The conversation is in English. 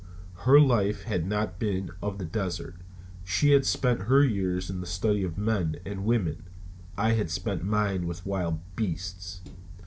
Her life had not been of the desert. She had spent her years in the study of men and women. I had spent mine with wild beasts.